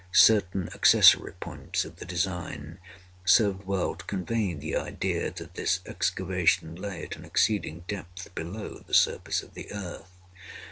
Certain accessory points of the design served well to convey the idea that this excavation lay at an exceeding depth below the surface of the earth.